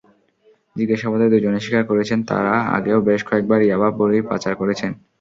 জিজ্ঞাসাবাদে দুজনে স্বীকার করেছেন, তাঁরা আগেও বেশ কয়েকবার ইয়াবা বড়ি পাচার করেছেন।